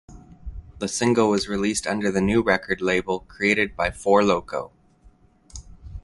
The single was released under the new record label created by Four Loko.